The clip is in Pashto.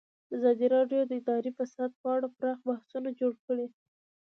ازادي راډیو د اداري فساد په اړه پراخ بحثونه جوړ کړي.